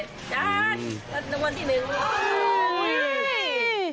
ตัดไปนัวนที่หนึ่ง